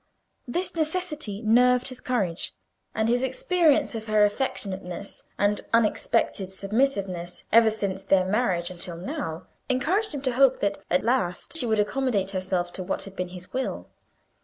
This necessity nerved his courage; and his experience of her affectionateness and unexpected submissiveness, ever since their marriage until now, encouraged him to hope that, at last, she would accommodate herself to what had been his will.